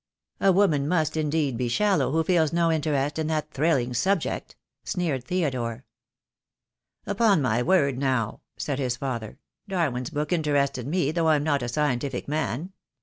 "A woman must, indeed, be shallow who feels no interest in that thrilling subject," sneered Theodore. "Upon my word, now," said his father, "Darwin's book interested me, though I'm not a scientific man.